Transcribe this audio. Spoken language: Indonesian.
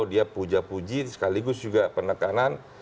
dia puja puji sekaligus juga penekanan